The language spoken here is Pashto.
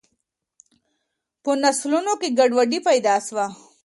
په نسلونو کي ګډوډي پیدا سوه.